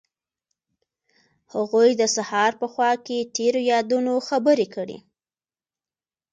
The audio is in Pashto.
هغوی د سهار په خوا کې تیرو یادونو خبرې کړې.